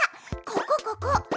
ここここ！